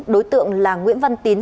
đối tượng là nguyễn văn tín